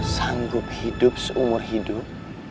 sanggup hidup seumur hidup